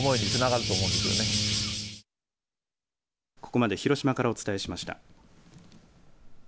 ここまで広島からお伝えしました。